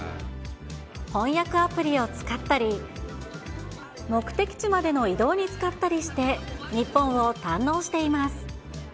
翻訳アプリを使ったり、目的地までの移動に使ったりして日本を堪能しています。